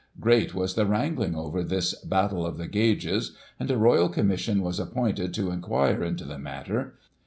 Great was the wrangling over this " battle of the gauges," and a Royal Commission was appointed to in quire into the matter.